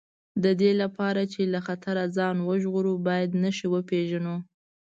د دې لپاره چې له خطره ځان وژغورو باید نښې وپېژنو.